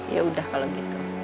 yaudah kalau gitu